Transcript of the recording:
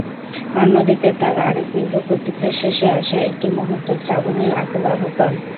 অন্যদিকে তার আরেক দীর্ঘ প্রতীক্ষার শেষে আসা একটি মুহূর্ত—শ্রাবণীর আকুল আহ্বান।